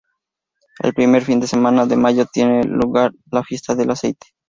El primer fin de semana de mayo tiene lugar la Fiesta del Aceite.